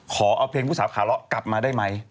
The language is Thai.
ขอเอาเพลงผู้สาบขาเหล่ากลับมาได้มั้ย